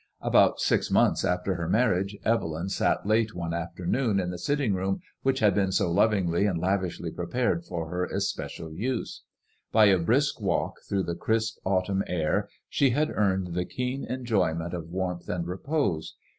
About six months after her marriage Evelyn sat late one afternoon in the sitting room which had been so lovingly and lavishly prepared for her especial use. By a brisk walk through the crisp autumn air she had earned the keen enjoyment of warmth and repose.